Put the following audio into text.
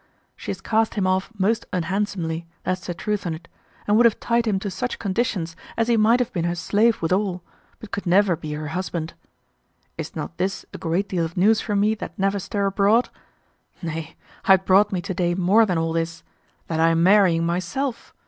She has cast him off most unhandsomely, that's the truth on't, and would have tied him to such conditions as he might have been her slave withal, but could never be her husband. Is not this a great deal of news for me that never stir abroad? Nay, I had brought me to day more than all this: that I am marrying myself!